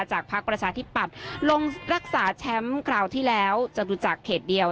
จากพักประชาที่ปัดลงรักษาแชมป์กล่าวที่แล้วจัตุจักรเขตเดียว